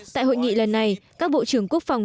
tại hội nghị lần này các bộ trưởng quốc phòng